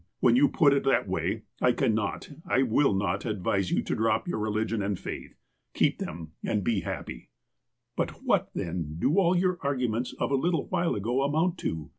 When you put it that way, I can not, I will not advise you to drop your religion and faith. Keep them and be hajipy." ''But what, then, do all your arguments of a little while ago amount to